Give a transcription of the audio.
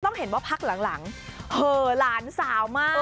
ต้องเห็นว่าพักหลังเหอหลานสาวมาก